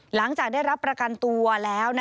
หลังจากได้รับประกันตัวแล้ว